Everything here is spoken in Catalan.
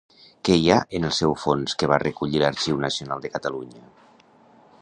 Què hi ha en el seu fons que va recollir l'Arxiu Nacional de Catalunya?